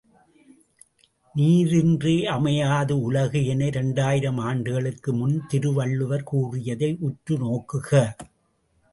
நீரின்றமையாது உலகு என இரண்டாயிரம் ஆண்டுகளுக்கு முன் திருவள்ளுவர் கூறியதை உற்று நோக்குக.